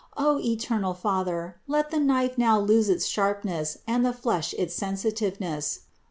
O eternal Father, let the knife now lose its sharpness and the flesh its sensitiveness!